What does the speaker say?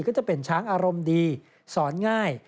ก็จะเป็นช้างอารมณ์ดีสอนง่าย